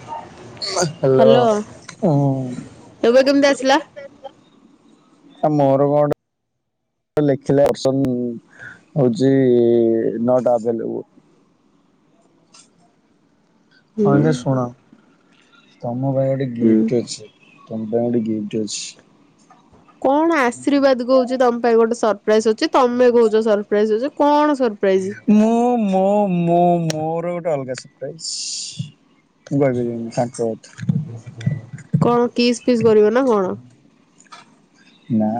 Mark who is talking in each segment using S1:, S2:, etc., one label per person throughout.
S1: [inaudible] Hello
S2: ହୁଁ
S1: ଏବେ କେମିତି ଆସିଲା।
S2: ସେ ମୋର [unintelligible] ଲେଖିଲେ ଅର୍ସନ ହଉଛି ନଟ ଆଭେଲେବୁଲ।
S1: ହୁଁ
S2: ହଁ ଟିକେ ଶୁଣ ତମ ପାଇଁ ଗୋଟେ
S1: ହୁଁ
S2: ଗିଫ୍ଟ ଅଛି। ତମ ପାଇ ଗୋଟେ ଗିଫ୍ଟ ଅଛି।
S1: କଣ ଆଶୀର୍ବାଦ କହୁଛି ତମ ପାଇଁ ଗୋଟେ ସରପ୍ରାଇଜ ଅଛି ତମେ କହୁଛ ସରପ୍ରାଇଜ ଅଛି କଣ ସରପ୍ରାଇଜ?
S2: ମୁଁ ମୋ ମୋ ମୋର ଗୋଟେ ଅଲଗା ସରପ୍ରାଇଜ୍
S1: କଣ କିସ୍ ପିସ୍ କରିବ ନା କଣ?
S2: ନା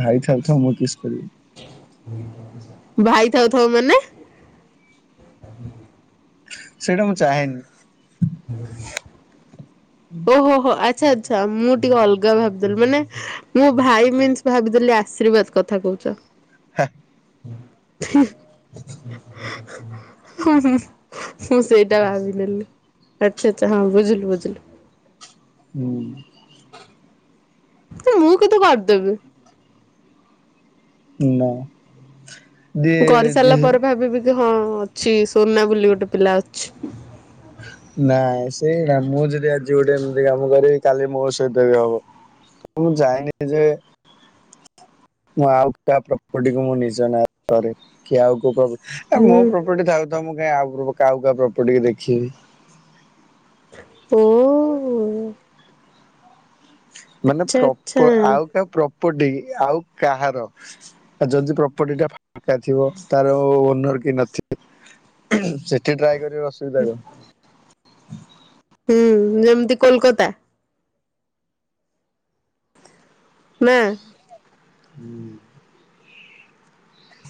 S2: ଭାଇଥାଉଥାଉ ମୁଁ କିସ୍ କରିବି।
S1: ଭାଇ ଥାଉ ଥାଉ ମାନେ
S2: ସେଇଟା ମୁଁ ଚାହେଁନି।
S1: ଓହୋ ହୋ ଆଚ୍ଛା ଆଚ୍ଛା ମୁଁ ଟିକେ ଅଲଗା ଭାବିଦେଲି ମାନେ ମଁ ଭାଇ ମିନ୍ସ ଭାବିଦେଲି ଆଶୀର୍ବାଦ କଥା କହୁଚ।
S2: ହେ।
S1: ଛିଁ। ହୁଁ ହୁଁ ମୁଁ ସେଇଟା ଭାବିିଦେଲି ଆଚ୍ଛା ଛା ହଁ ବୁଝିଲୁ ବୁଝିଲୁ।
S2: ହୁଁ।
S1: ଯେ ମୁ କିତୁ କରିଦେବି।
S2: ନା। ଦେ
S1: ମୁଁ
S2: ଦେ
S1: କରିସାରିଲା ପରେ ଭାବିବି କି ହଁ ଅଛି ସୋନା ବୋଲି ଗୋଟେ ପିଲା ଅଛି।
S2: ନାଁ ସେଇଟା ମୁଁ ଯଦି ଆଜି ଗୋଟେ ଏମିତି କାମ କରିବି। କାଲି ମୋ ସହିତ ବି ହବ। ମୁଁ ଯାଇନି ଯେ ମୁଁ ଆଉ କାହା ପ୍ରପର୍ଟିକୁ ମୁଁ ନିଜ ନା ରେ କରେ। କି ଆଉ କୋଉ ପ୍ରପ ଆ ମୋ
S1: ହୁଁ
S2: ପ୍ରପର୍ଟି ଥାଉ ତ ମୁଁ କାଇଁ ଆଉ [unintelligible] ଆଉ କାହା ପ୍ରପର୍ଟିକୁ ଦେଖିବି।
S1: ଓ।
S2: ମାନେ
S1: ଆଚ୍ଛା ଆଚ୍ଛା
S2: ପ୍ରପ ଆଉ କାହା ପ୍ରପର୍ଟି ଆଉ କାହାର। ଆଉ ଯଦି ପ୍ରପର୍ଟି ଟା ଫାଙ୍କା ଥିବ ତାର ଓନର କେହି ନଥିବେ ହୁଁ ସେଥ୍ କିଏ ଟ୍ରାଏ କରିବ ଅସୁବିଧା କଣ?
S1: ହୁଁ ଯେମିତି କୋଲକତା ନା।
S2: ହୁଁ।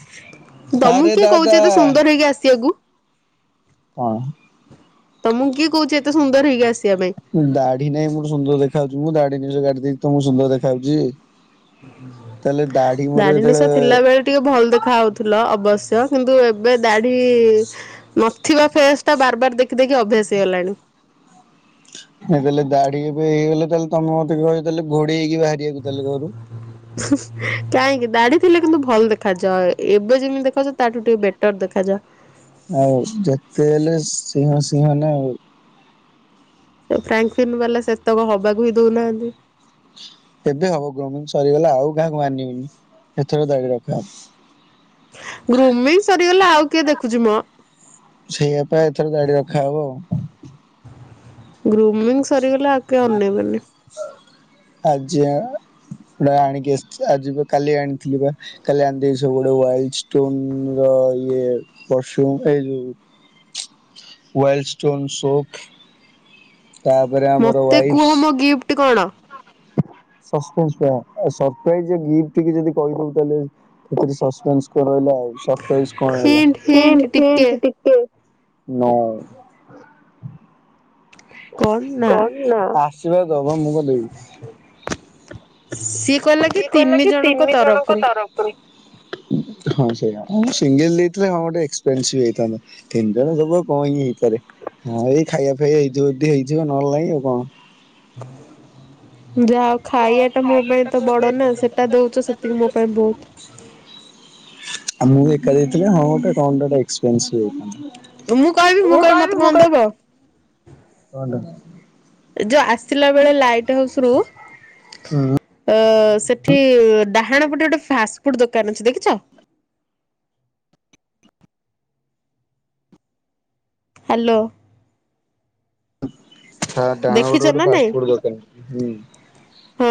S2: ହ
S1: ତମୁକୁ କିଏ କହୁଚି ଏତେ ସୁନ୍ଦର ହେଇକି ଆସିଆକୁ?
S2: କଣ?
S1: ତମୁକୁ କିଏ କହୁଚି ଏତେ ସୁନ୍ଦର ହେଇକି ଆସିଆ ପାଇଁ।
S2: ଦାଢି ନାହିଁ ପୁଣି ସୁନ୍ଦର ଦେଖା ହଉଚି। ମୁଁ ଦାଢି, ନିଶ କାଟି ଦେଇଚି ତ ମୁଁ ସୁନ୍ଦର ଦେଖା ହଉଚି ଆଉ। ତାହେଲେ ଦାଢି ମୋର
S1: ନିଶ
S2: ଯେତବେଳେ
S1: ଥିଲା ବେଳେ ଟିକେ ଭଲ ଦେଖାହଉଥିଲ ଅବଶ୍ୟ କିନ୍ତୁ ଏବେ ଦାଢ଼ି ନଥିବା ଫେସ୍ ଟା ବାର ବାର ଦେଖି ଦେଖି ଅଭ୍ୟାସ ହେଇ ଗଲାଣି।
S2: ମୁଁ କହିଲି ଦାଢି ଏବେ ହେଇଗଲେ ତାହେଲେ ତମେ ମତେ କହିବ ତାହେଲେ ଘୋଡେଇ ହେଇକି ବାହାରିବାକୁ ତାହେଲେ ଘରୁ।
S1: ହୁଁ ହୁଁ ସ୍ କାହିଁକି ଦାଢିଥିଲେ କିନ୍ତୁ ଭଲ୍ ଦେଖାଯାଅ। ଏବେ ଯେମିତି ଦେଖାଯାଉଚ ତାଠୁ ଟିକେ ବେଟର୍ ଦେଖାଯାଅ।
S2: ଆଉ ଯେତେ ହେଲେ ସିଂହ ସିଂହ ନା ଆଉ।
S1: ଏ ଫ୍ରାଙ୍କଫିନ୍ ବାଲା ସେତକ ହବାକୁ ହି ଦଉନାହାନ୍ତି।
S2: ଏବେ ହବ ଗ୍ରୁମିଂ ସରିଗଲା ଆଉ କାହାକୁ ମାନିବିନି। ଏଥର ଦାଢି ରଖିବା।
S1: ଗ୍ରୁମିଂ ସରିଗଲା ଆଉ କିଏ ଦେଖୁଚି ମଁ।
S2: ସେଇଆ ପା ଏଥର ଦାଢି ରଖାହବ ଆଉ।
S1: ଗ୍ରୁମିଂ ସରିଗଲେ ଆଉ କେହି ଅନେଇବେନି।
S2: ଆଜି ଆ ବ୍ରା ଆଣିକି ଆସଚି। ଆଜି ବା କାଲି ଆଣିଥିଲି ବା। କାଲି ଆଣି ଦେଇ ସବୁ ଗୋଟେ ୱାଇଲ ଷ୍ଟୋନ ର ଇଏ। ପରଫ୍ୟୁମ୍ ପାଇଲୁ ୱାଇଲ୍ ଷ୍ଟୋନ ସୋପ୍।
S1: ମତେ କୁହ
S2: ୱାଇଫସ୍
S1: ମୋ ଗିଫ୍ଟ କଣ?
S2: [unintelligible] ସରପ୍ରାଇଜ ଗିପ୍ଟି କି ଯେଦି କହିଦବୁ ତାହେଲେ ଯଦି ସସ୍ପେନ୍ସ୍ ତୋର ରହିଲା ଆଉ। ସରପ୍ରାଇଜ୍ କଣ ରହିଲା?
S1: ହିଣ୍ଟ ହିଣ୍ଟ
S2: ହିନ୍ଟ ହିନ୍ଟ ଟିକେ? ନୋ।
S1: କଣ ନା
S2: କହିନ? ଆସିବ ଦବ ମୁ କଣ ଦେବି।
S1: ସିକ୍
S2: ସିଏ କହିଲା କି ତିନି ଜଣଙ୍କ ତରଫରୁ। ହଁ ସେଇଆ। ସିଙ୍ଗଲ ଦେଇଥିଲେ ହଁ ଗୋଟେ ଏକ୍ସପେନସିଭ୍ ହେଇଥାନ୍ତା। ତିନି ଜଣ ଦୋବୁ ଆଉ କଣ ଇଏ ହେଇପାରେ ହଁ ଏଇ ଖାଇବା ପିଇବା ହେଇଥିବ ଯଦି ହେଇଥିବ ନହେଲେ ନାଇଁ ଆଉ କଣ।
S1: ହୁ ଯାହା ହୋଉ
S2: ଯାହା
S1: ଖାଇବା ଟା ମୋ
S2: ଖାଇବା
S1: ପାଇଁ ତ
S2: ଟା ମୋ
S1: ବଡ
S2: ତୁ
S1: ନା
S2: ଦଉନୁ
S1: ସେଟା ଦୋଉଚ ସେତିକି
S2: ଦଉଛୁ।
S1: ମୋ ପାଇଁ ବୋହୁତ।
S2: ଆଉ ମୁଁ ଏକା ଯାଇଥିଲେ ହଁ ଗୋଟେ କଣ ଗୋଟେ ଏକ୍ସପେନ୍ସିଭ ହେଇଥାନ୍ତା।
S1: ମୁଁ କହିବି ମୁଁ କହିବି ମତେ କଣ ଦବ।
S2: କଣଟା
S1: ଯୋଉ ଆସିଲା ବେଳେ ଲାଇଟି ହାଉସ ରୁ
S2: ହୁଁ
S1: ଅ ସେଠି ଡାହାଣପଟେ ଗୋଟେ ଫାଷ୍ଟଫୁଡ ଦୋକାନ ଅଛି ଦେଖିଚ? ହାଲୋ।
S2: ତା ଡାହାଣ
S1: ଦେଖିଛ
S2: ପଟେ ଗୋଟେ
S1: ନା ନାଇଁ?
S2: ଫାଷ୍ଟ ଫୁଡ ଦୋକାନ ଉଁ।
S1: ହଁ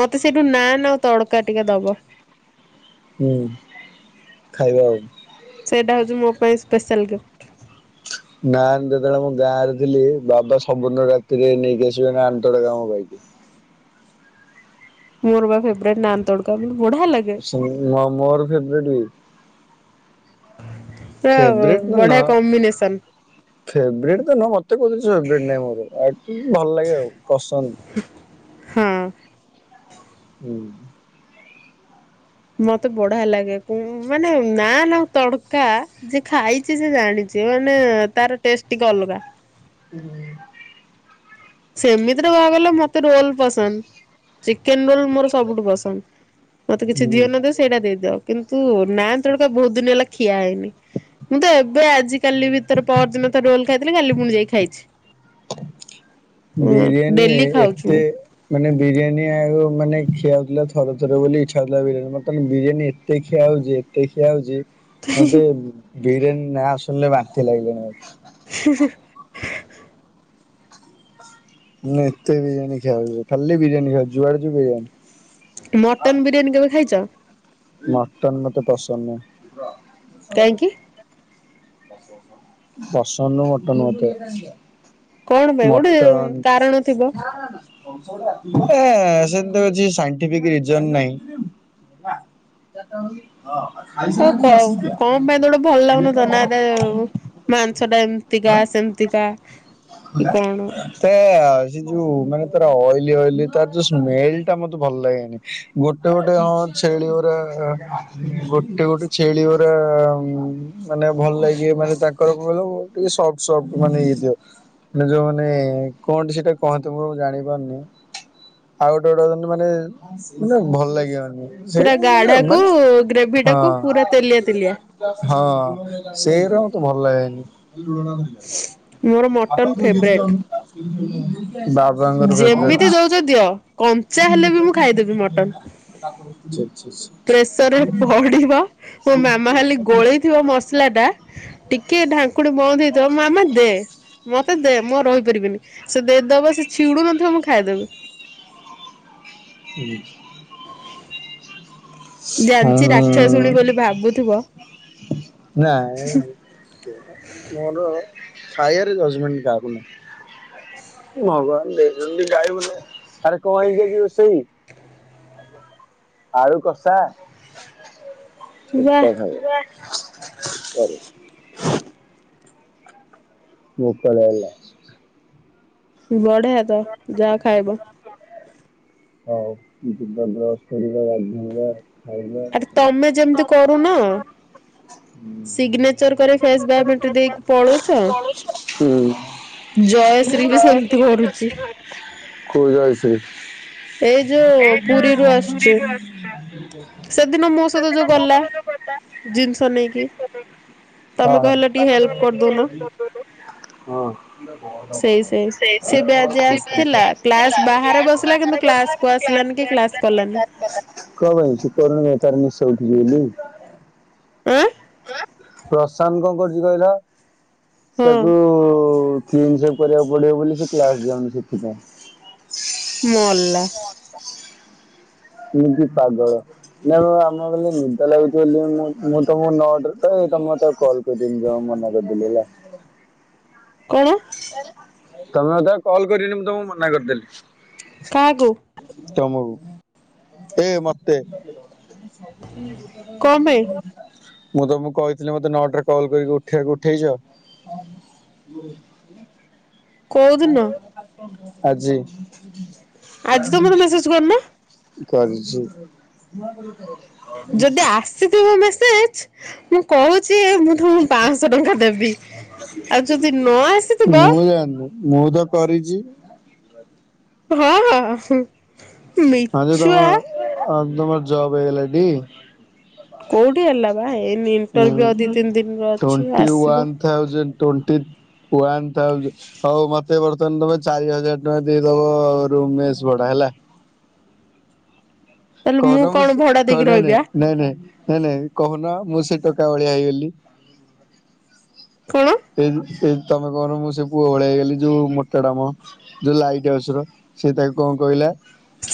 S1: ମତେ ସେଇଠୁ ନାନ୍ ଆଉ ତଡକା ଟିକେ ଦବ।
S2: ହୁଁ ଖାଇବ ଆଉ।
S1: ସେଇଟା ହୋଉଚି ମୋ ପାଇଁ ସ୍ପେଶାଲ୍ ଗିଫ୍ଟ।
S2: ଗାଁରେ ଯେତେବେଳେ ମୁଁ ଗାଁରେ ଥିଲି। ବାବା ସବୁ ଦିନ ରାତିରେ ନେଇକି ଆସିବେ ନାନ୍ ତଡକା ମୋ ପାଇଁ।
S1: ମୋର ପା ଫେବ୍ରାଇଟି ନାନ୍ ତଡକା ମତେ ବଢିଆ ଲାଗେ।
S2: ସେମ ମୋର ମୋର ବି ଫେବ୍ରାଇଟି ବି।
S1: ପୁରା
S2: ଫେବରେଟ
S1: ବଢିଆ କମ୍ବିନେସନ୍।
S2: ଫେବ୍ରାଇଟି ତ ନୁହଁ ମତେ କୋଉ ଜିନିଷ ଫେବ୍ରାଇଟି ନାହିଁ ମୋର ଆଟଲିସ୍ ଭଲ ଲାଗେ ଆଉ ପସନ୍ଦ।
S1: ହଁ।
S2: ହୁଁ।
S1: ମତେ ବଢିଆ ଲାଗେ କୁଉଁ ମାନେ ନାନ୍ ଆଉ ତଡକା। ଯିଏ ଖାଇଚି ସିଏ ଜାଣିଚି ମାନେ ତାର ଟେଷ୍ଟ ଟିକେ ଅଲଗା।
S2: ହୁଁ।
S1: ସେମିତି ରେ କହିବାକୁ ଗଲେ ମତେ ରୋଲ୍ ପସନ୍ଦ। ଚିକେନ ରୋଲ୍ ମୋର ସବୁଠୁ ପସନ୍ଦ। ମତେ କିଛି ଦିଅ ନ ଦିଅ ସେଇଟା ଦେଇଦବ କିନ୍ତୁ ନାନ୍ ତଡକା ବୋହୁତ୍ ଦିନ୍ ହେଲା ଖିଆ ହେଇନି। ମୁଁ ତ ଏବେ ଆଜି କାଲି ଭିତରେ ପହର ଦିନ ତ ରୋଲ୍ ଖାଇଥିଲି କାଲି ଫୁଣି ଯାଇକି ଖାଇଚି।
S2: ବିରିୟାନି ଏ
S1: ଡେଲି ଖାଉଛି
S2: ଏତେ
S1: ମୁଁ
S2: ମାନେ ବିରିୟାନୀ ଆଉ ମାନେ ଖିଆ ହୋଉଥିଲା ଥରେ ଥରେ ବୋଲି ଇଚ୍ଛା ହୋଉଥିଲା ବିରିୟାନୀ। ବର୍ତ୍ତମାନ ବିରିୟାନୀ ଏ ତେ ଖିଆ ହୋଉଚି ଏତେ ଖିଆ ହୋଉଚି ମତେ ବିରିୟାନି ନାଁ ଶୁଣିଲେ ବାନ୍ତି ଲାଗିଲାଣି ମତେ।
S1: [unintelligible]
S2: ମାନେ ଏତେ ବିରିୟାନୀ ଖିଆ ହୋଉଚି ଖାଲି ବିରିୟାନୀ ଖାଉ ଯୁଆଡେ ଯିବୁ ବିରିୟାନୀ।
S1: ମର୍ଟନ ବିରିୟାନୀ କେବେ ଖାଇଚ?
S2: ମର୍ଟନ ମତେ ପସନ୍ଦ ନୁହେଁ।
S1: କାହିଁକି
S2: ପସନ୍ଦ ନୁହୁଁ ମର୍ଟନ ମତେ।
S1: କଣ ପାଇଁ ଗୋଟେ
S2: ମର୍ଟନ।
S1: କାରଣ ଥିବ।
S2: ଏଁ ସେତେ କିଛି ସାଇଁଣ୍ଟିଫିକ୍‌ ରିଜିନି ନାହିଁ।
S1: ହଁ କଁ କଣ ପାଇଁ ତ ଗୋଟେ ଭଲ ଲାଗୁନଥିବ ନା ଏଟା ମାଂସ ଟା ଏମି ତିକା ସେମିତିକା।
S2: [inaudible] ସେ ଆ ସେ ଯୋଉ ମାନେ ତାର ଅଏଲି ଅଏଲି ତାର ଯୋଉ ସ୍ମେଲ୍ ଟା ମତେ ଭଲ ଲାଗେନି। ଗୋଟେ ଗୋଟେ ହଁ ଛେଳି ଗୁରା ଆଁ ଗୋଟେ ଗୋଟେ ଛେଳି ଗୁରା ମାନେ ଭଲ ଲାଗିବ ମାନେ ତାଙ୍କର କଣ କହିଲ ଟିକେ ସଫ୍ଟ ସଫ୍ଟ ମାନେ ଇଏ ଇଏଥିବ। ମାନେ ଯୋଉ ମାନେ କଣଟେ ସେଟା କହନ୍ତିୁ। ମୁଁ ଜାଣି ପାରୁନି। ଆଉ ଗୋଟେ ଗୋଟେ ଅଛନ୍ତି ମାନେ ଭଲ ଲାଗିବନି। ସେ
S1: ପୁରା
S2: ମାନେ
S1: ଗାଢାକୁ
S2: ମାନେ
S1: ଗ୍ରେଭି
S2: [unintelligible]
S1: ଟାକୁ ପୁରା ତେଲିଆ ତେଲିଆ
S2: ହଁ। ହଁ ସେଇରା ମତେ ଭଲ ଲାଗେନି।
S1: ମୋର ମର୍ଟନ ଫେବ୍ରେଟ୍।
S2: ବାପ୍। ଛୁଆଙ୍କର
S1: ଯେମିତି
S2: ଫେବରଟ
S1: ଦଉଛ ଦିଅ କଞ୍ଚା ହେଲେ ବି ମୁଁ ଖାଇଦେବି
S2: [unintelligible] [unintelligible]
S1: ପ୍ରେସର୍ ରେ ପଡିବ ମୋ ମାମା ଖାଲି ଗୋଳେଇଥିବ ମସଲା ଟା ଟିକେ ଢାଙ୍କୁଣୀ ବନ୍ଦ୍ ହେଇଥିବ ମାମା ଦେ ମତେ ଦେ ମୁଁ ଆଉ ରହି ପାରିବିନି ସେ ଦେଇଦବ ସେ ଛିଡୁନଥିବ ମୁଁ ଖାଇଦେବି।
S2: [unintelligible] ହୁଁ
S1: ଜାଣିଚି ରାକ୍ଷାଶୁଣି ବୋଲି ଭାବୁଥିବ?
S2: ନାଁ ମୋର ଖାଇବାରେ ଜଜମେଣ୍ଟ କାହାକୁ ନାଇଁ, ଭଗବାନ ଦେଇଛନ୍ତି ଗାଇ ଗେଟେ ଆରେ କଣ ହେଇଛି ଆଜି ରୋଷେଇ। ଆଳୁକସା
S1: ବା
S2: [unintelligible] ସରି
S1: ହ
S2: ଭୁତ ବାହାରିଲା
S1: ବଢିଆ ତ ଯା ଖାଇବାକୁ
S2: ହଉ ଜିବା ବର୍ଷ କରିବା ଗାଧେଇବା। ଖାଇନ
S1: ଆରେ ତମେ ଯେମିତି କରୁନ ସିଗ୍ନେଚର କରି ଫେସ୍ ବାୟୋମେଟ୍ରି ଦେଇକି ପଳଉଛ
S2: [unintelligible] [unintelligible]
S1: ବି ସେମିତି
S2: ଜୟଶ୍ରୀ କି [unintelligible]
S1: କରୁଛି
S2: ଶୁସ୍ରିଘରେ କୋଉ ଜୟଶ୍ରୀ
S1: ଏଇ ଯୋଉ
S2: ଏଇ
S1: ପୁରୀରୁ
S2: ଯୋଉ
S1: ଆସୁଛି
S2: ପୁରୀରୁ ଆସିଲା
S1: ସେଦିନ ମୋ ସହିତ ଯୋଉ
S2: ସେଦିନ ମୁଁ
S1: ଗଲା
S2: ତତେ ଜୋଉ [unintelligible]
S1: ଜିନିଷ ନେଇକି ତମେ
S2: ହଁ।
S1: କହିଲ ଟିକେ
S2: ତତେ
S1: ହେଲ୍ପ
S2: କହିଲେ ଟିକେ
S1: କରିଦଉନ।
S2: ହଁ
S1: ସେଇ ସେଇ
S2: ସେ ସିଥିଲ [unintelligible]
S1: ବି ଆଜି ଆସିଥିଲା କ୍ଲାସ ବାହାରେ ବସିଲା କିନ୍ତୁ କ୍ଲାସ କୁ ଆସିଲାନି କି କ୍ଲାସ କଲାନି
S2: କଣ ହୋଉଛି ଭାଇ ସୁୁ [unintelligible] [unintelligible]
S1: ଆଁ
S2: ପ୍ରଶାନ୍ତ କଣ କରୁଛି କହିଲା
S1: ହଁ
S2: ତାକୁ [unintelligible] କରିବାକୁ ପଡ଼ିବ ବୋଲି ସେ କ୍ଲାସ ଯାଉନି ସେଥିପାଇଁ।
S1: ମଲା
S2: [unintelligible] କେମିତି ପାଗଳ ନାଇଁ ଆମ ବୋଇଲି ନିଦ ଲାଗୁଛି ବୋଲି ମୁଁ ମୁ [unintelligible] [unintelligible] [unintelligible] [unintelligible] କରିଦେଲି ହେଲା
S1: କଣ
S2: ତମେ ମତେ ଅଉ କଲ୍ କରିବନି ମୁଁ ତମକୁ ମନା କରିଦେଲି।
S1: କାହାକୁ?
S2: ତମକୁ ଏ ମତେ ଟଇଏ
S1: କଣ ପାଇଁ
S2: ମୁଁ ତମକୁ କହିଥିଲି ମତେ ନଅଟାରେ କଲ୍ କରିକି ଉଠେଇବାକୁ ଉଠେଇଛ?
S1: କୋଉଦିନ
S2: ଆଜି
S1: ଆଜି ତ ମତେ ମେସେଜ କରିନ
S2: କରିଚି
S1: ଯଦି ଆସିଥିବ ମେସେଜ ମୁଁ କହୁଛି ମୁ ମୁଁ ପାଞ୍ଚଶହ ଟଙ୍କା ଦେବି। ଆଉ ଯଦି ନ ଆସିଥିବ
S2: ମୁଁତ କରିଛି
S1: ହଁ ହଁ ହ
S2: ହଁ ଜେ ତମ ତମର ଜବ ହେଇଗଲାଟି?
S1: କୋଉଠି ହେଲା ବା ଏଇନି ଇମ୍ଟରଭିଉ
S2: ହୁଁ
S1: ଆଉ ଦି ତିନି ଦିନର ଅଛି ଆସିବ।
S2: ଆଉ ମାତ୍ର [unintelligible] [unintelligible] ଏବେ ବର୍ତ୍ତମାନ ତମେ ଚାରି ହଜାର ଟଙ୍କା ଦେଇଦବ ରୁମମେଶ ଭଡା ହେଲା?
S1: ତାହେଲେ
S2: କହୁନ ମୁଁ
S1: କଣ ଭଡା
S2: ନାଇଁ
S1: ଦେଇକି
S2: ନାଇଁ
S1: ରହିବି ଆ
S2: ନାଇଁ ନାଇଁ ନାଇଁ ନାଇଁ କହୁନ ମୁଁ ସେ ଟୋକା ଭଳିଆ ହେଇଗଲି।
S1: କଣ?
S2: ଏଇଯୁ ଏଇ ତମେ କହୁନ ମୁଁ ସେ ପୁଅ ଭଳିଆ ହେଇଗଲି ଯୋଉ ମୋଟାଟାମ। ଯୋଉ ଲାଇଟ୍ ହାଉସର ସେ ତାକୁ କଣ କହିଲା?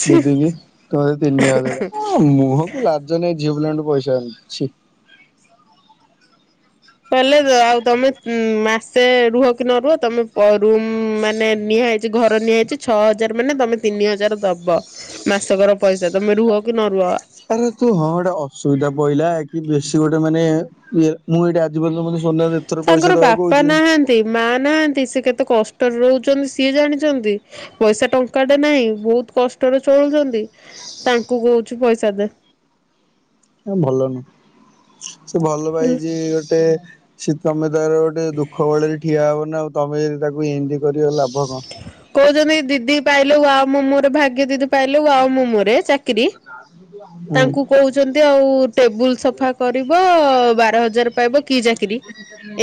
S1: ଛି।
S2: ଦିଦି କି କହ ତିନିହଜାର ଅ ମୁଁହକୁ ଟିକେ ଲାଜ ନାଇଁ ଝିଅ ପିଲାଙ୍କଠୁ ପଇସା ଆଣିଛି ଛି।
S1: କହିଲେ ଆଉ ତମେ ମାସେ ରୁହ କି ନ ରୁହ ତମେ ରୁମ ମାନେ ନିହା ହେଇ ଘର ନିଆଯାଇଛି ଛଅ ହଜାର ମାନେ ତମେ ତିନି ହଜାର ଦବ ମାସକର ପଇସା ତମେ ରୁହ କି ନରୁହ।
S2: ତାହେଲେ ତୁ ହଁ ଗୋଟେ ଅସୁବିଧା ପଇଲା କି ବେଶୀ ଗୋଟେ ମାନେ ଇଏ ମୁଁ ଏଇଟା ଆଜି ପର୍ଯ୍ୟନ୍ତ ମୋତେ ସୋନା ଦେ
S1: ତାଙ୍କର ବାପା ନାହାନ୍ତି ମା ନାହାନ୍ତି ସେ କେତେ କଷ୍ଟରେ ରହୁଛନ୍ତି ସିଏ ଜାଣିଛନ୍ତି। ପଇସା ଟଙ୍କାଟେ ନାହିଁ ବହୁତ କଷ୍ଟରେ ଚଳୁଛନ୍ତି ତାଙ୍କୁ କହୁଛୁ ପଇସା ଦେ।
S2: ଭଲ ନୁହଁ ସେ ଭଲ ପାଇଛି ଗୋଟେ ସେ ତମେ ତାର ଗୋଟେ ଦୁଃଖ ବେଳରେ ଠିଆ ହବନା ଆଉ ତମେ ଯଦି ତାକୁ ଏମିତି କରିବ ଲାଭ କଣ।
S1: କହୁଛନ୍ତି କି ଦିଦିକୁ ପାଇଲୁ ଆଉ ମୁଁ ମୋର ଭା। ଦିଦିକି ପାଇଲୁ ଆଉ ମୁଁ ମୋର ଏଇ ଚାକିରି
S2: ହୁଁ।
S1: ତାଙ୍କୁ କହୁଛନ୍ତି ଆଉ ଏ ଟେବୁଲ ସଫା କରିବ ବାର ହଜାର ପାଇବ କି ଚାକିରି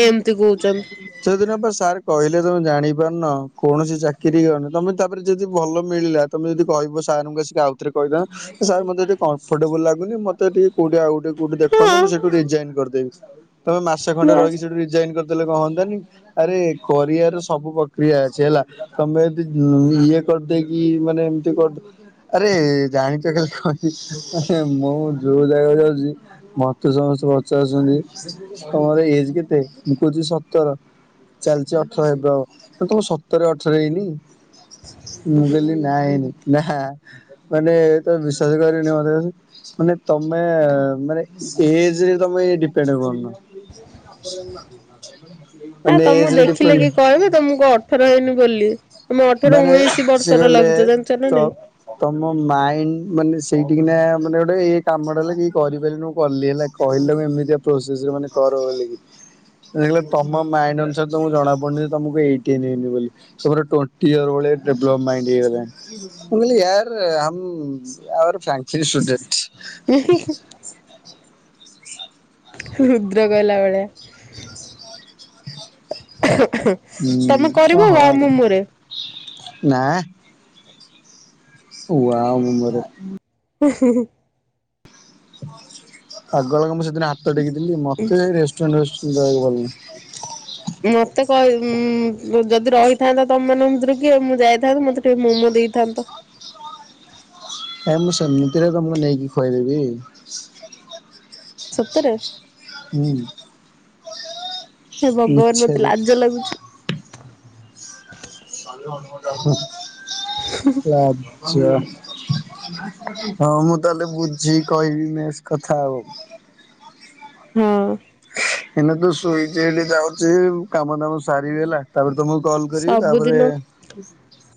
S1: ଏମିତି କହୁଛନ୍ତି।
S2: ସେଦିନ ପା ସାର୍ କହିଲେ ତମେ ଜାଣିପାରୁନ କୌଣସି ଚାକିରି ଅ ତମେ ତାପରେ ଯଦି ଭଲ ମିଳିଲା ତମେ ଯଦି କହିବ ସାର୍ ଙ୍କୁ ଆସିକି ଆଉଥରେ କହିବା। ସାର୍ ମତେ ଏଠି କମ୍ଫଟେବୁଲ ଲାଗୁନି ମତେ ଟିକେ କୋଉଠି ଆଉ ଗୋଟେ କଉଠି ଦେଖନ୍ତୁ
S1: ହଁ
S2: ମୁଁ ସେଠୁ ରିଜାଇନ କରିଦେବି। ତମେ ମାସେ ଖଣ୍ଡେ
S1: ବାସ୍।
S2: ରହିକି ସେଠୁ ରିଜାଇନ କରିଦେଲେ କଣ ହୁଆନ୍ତାନି? ଆରେ କରିବାର ସବୁ ପ୍ରକ୍ରିୟା ଅଛି ହେଲା ତମେ ଯଦି ଇଏ କରିଦେଇକି ମାନେ ଏମିତି କରିଦେ ଆରେ ଜାଣିଛ କାଲି କଣ ହେଇଛି ମାନେ ମୁଁ ଯୋଉ ଜାଗାକୁ ଯାଉଛି ମୋତେ ସମସ୍ତେ ପଚାରୁଛନ୍ତି ତମର ଏଜ କେତେ ମୁଁ କହୁଛି ସତର। ଚାଲିଚି ଅଠର ହେବ ଆଉ ତମର ସତରେ ଅଠର ହେଇନି। ମୁଁ କହିଲି ନା ହେଇନି ନା ମାନେ ତମେ ବିଶ୍ୱାସ କରିବନି ମୋତେ କହୁଛି ମାନେ ତମେ ମାନେ ଏଜରେ ତମେ ଡି ପେଡ଼ୁ କରୁନ।
S1: ହଁ
S2: ମାନେ
S1: ତମକୁ
S2: ଏଜରେ
S1: ଦେଖିଲେ
S2: ଡିପେଣ୍ଡ
S1: କିଏ କହିବେ ତମକୁ ଅଠର ହେଇନି ବୋଲି। ତମେ ଅଠର
S2: ମାନେ
S1: ଉଣେଇଶି
S2: ସେ
S1: ବର୍ଷ ର
S2: କହିଲେ
S1: ଲାଗୁଛ ଜାଣିଛ ନା
S2: ତ
S1: ନାଇଁ?
S2: ତମ ମାଇଣ୍ଡ୍ ମାନେ ସେଇଠି କିନା ମାନେ ଗୋଟେ ଇଏ କାମଟା ହେଲା କେହି କରିପାରିବେନି ମୁଁ କଲି ହେଲା। କହିଲ ମୁଁ ଏମିତିଆ ପ୍ରୋସେସରେ ମାନେ କର ବୋଲି କି। ଦେଖିଲ ତମ ମାଇଣ୍ଡ୍ ଅନୁସାରେ ତମକୁ ଜଣା ପଡୁନି ଯେ ତମକୁ ଏଇଟିନ୍ ହେଇନି ବୋଲି ତମର ଟୋ ଟି ଇୟର ଭଳିଆ ଡେଭଲପ ମାଇଣ୍ଡ୍ ହେଇଗଲାଣି। ମୁଁ କହିଲି ୟାର ହମ ଅର ଫ୍ୟାନ୍ସି ଷ୍ଟୁଣ୍ଡେଟ୍।
S1: ନାଇଁ। ରୁଦ୍ର ଗଲା ଭଳିଆ। ତମେ
S2: ହୁଁ
S1: କରିବ
S2: ଓହୋ
S1: ଆଉ ମୁ ମୋରେ।
S2: ନା। ୱାଓ ମୋମୋରେ। ଆଗଳାଗ ମୁଁ ସେଦିନ ହାତ ଟେକିଦେଲି ମତେ ରେଷ୍ଟୁରାଣ୍ଟ ଫେଷ୍ଟୁରାଣ୍ଟ ଦେବାକୁ ଭଲ।
S1: ମତେ କହି ଉ ଯଦି ରହିଥାନ୍ତା ତମ ମାନଙ୍କ ଭିତରୁ କିଏ ମୁଁ ଯାଇ ଥାନ୍ତ ମୋତେ ଟିକେ ମୋମୋ ଦେଇଥାନ୍ତ।
S2: ହଁ ମୁଁ ସେମିତିରେ ତମକୁ ନେଇକି ଖୁଆଇଦେବି।
S1: ସତରେ।
S2: ହୁଁ।
S1: ହେ ଭଗବାନ ମତେ
S2: ମିଛରେ।
S1: ଲାଜ ଲାଗୁଛି।
S2: ଲାଜ। ହଁ ମୁଁ ତାହେଲେ ବୁଝିକି କହିବି ମେସ୍ କଥା ଆଉ।
S1: ହଉ
S2: ଏଇନା ତ ଶୋଇଛି ହେଠି ଯାଉଛି କାମ ଦାମ ସାରିବି ହେଲା ତାପରେ ତମକୁ କଲ୍ କରିବି ତାପରେ
S1: ସବୁଦିନ